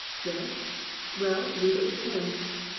"Yes." "Well, leave it with Him."